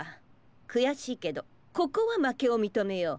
くやしいけどここはまけをみとめよう。